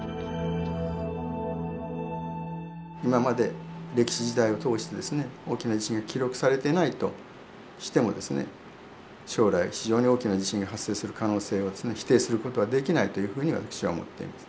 今まで歴史時代を通して大きな地震が記録されていないとしても将来非常に大きな地震が発生する可能性を否定する事はできないというふうに私は思っています。